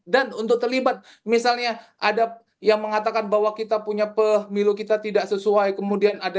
dan untuk terlibat misalnya ada yang mengatakan bahwa kita punya pemilu kita tidak sesuai dengan keadilan pemilu